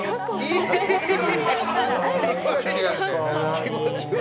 気持ち悪い。